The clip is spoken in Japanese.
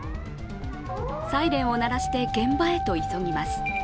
サイレンを鳴らして現場へと急ぎます。